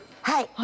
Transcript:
はい！